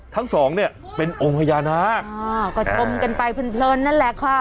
ทั้งสองเนี่ยเป็นองค์พญานาคอ่าก็ชมกันไปเพลินนั่นแหละค่ะ